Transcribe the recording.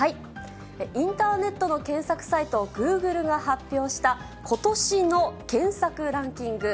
インターネットの検索サイト、グーグルが発表した、ことしの検索ランキング。